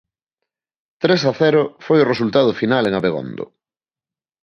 Tres a cero foi o resultado final en Abegondo.